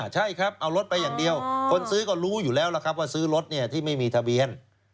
ใช่ครับเอารถไปอย่างเดียวคนซื้อก็รู้อยู่แล้วล่ะครับว่าซื้อรถที่ไม่มีทะเบียน